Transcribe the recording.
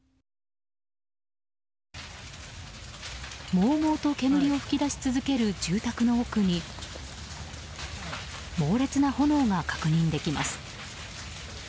もうもうと煙を噴き出し続ける住宅の奥に猛烈な炎が確認できます。